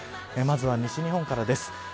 まずは西日本からです。